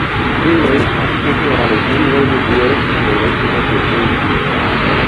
Freeway, speaking on his new label deal and relationship with Jay-Z.